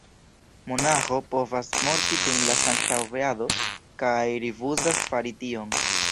Monaĥo povas morti dum la sankta obeado kaj rifuzas fari tion!